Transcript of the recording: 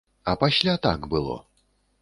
А пасля так было.